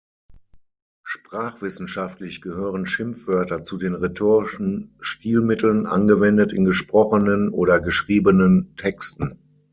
Sprachwissenschaftlich gehören Schimpfwörter zu den rhetorischen Stilmitteln, angewendet in gesprochenen oder geschriebenen Texten.